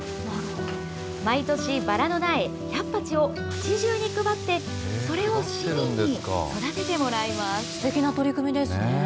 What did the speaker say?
毎年バラの苗１００鉢を街じゅうに配ってそれを市民に育ててもらすてきな取り組みですね。